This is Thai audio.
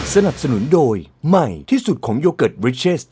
สนับสนุนโดยใหม่ที่สุดของโยเกิร์ตบริเชส